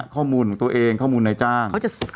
๑ข้อมูลของตัวเองข้อร่อยเป็นในจ้าง